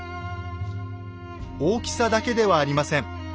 大きさだけではありません。